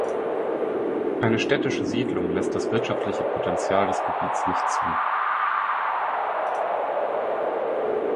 Eine städtische Siedlung lässt das wirtschaftliche Potential des Gebiets nicht zu.